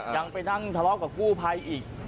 ยังไปนั่งทะเลาะกับกู้ภัยอีก